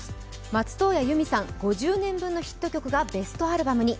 松任谷由実さん、５０年分のヒット曲がベストアルバムに。